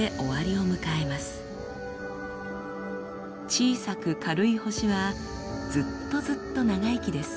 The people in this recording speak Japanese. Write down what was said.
小さく軽い星はずっとずっと長生きです。